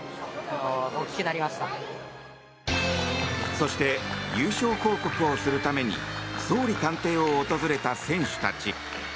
そして、優勝報告をするために総理官邸を訪れた選手たち。